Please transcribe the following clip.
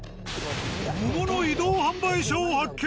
桃の移動販売車を発見！